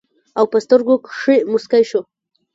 او پۀ سترګو کښې مسکے شو